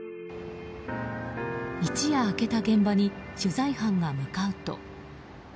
一夜明けた現場に取材班が向かうと。